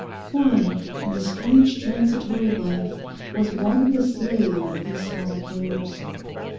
Why, in a strange transitory life was one the slave of these small cares?